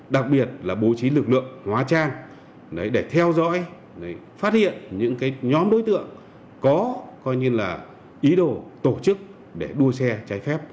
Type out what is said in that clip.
đặc biệt là bố trí lực lượng hóa trang để theo dõi phát hiện những nhóm đối tượng có ý đồ tổ chức để đua xe trái phép